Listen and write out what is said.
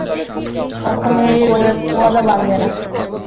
কখনো এই ওয়াদা ভাঙবে না!